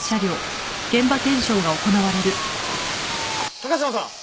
高嶋さん！